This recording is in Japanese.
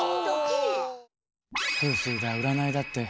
風水だ占いだって。